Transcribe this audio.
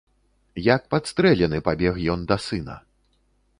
Як падстрэлены, пабег ён да сына.